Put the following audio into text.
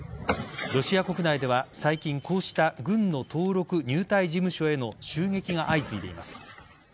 ロシア国内では最近、こうした軍の登録・入隊事務所への襲撃が相次いでいます。